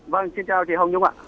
vâng xin chào thầy hồng nhung ạ